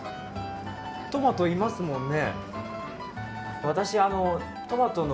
トマト、いますもんね。